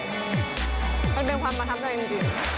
มันเป็นความประทับใจจริง